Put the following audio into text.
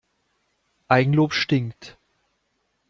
Eigenlob stinkt.